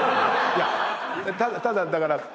いやただだからえっと。